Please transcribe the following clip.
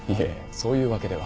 そういうわけでは。